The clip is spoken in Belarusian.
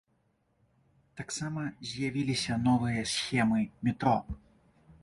Таксама з'явіліся новыя схемы метро.